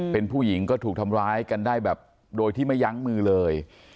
เป็นผู้หญิงก็ถูกทำร้ายกันได้แบบโดยที่ไม่ยั้งมือเลย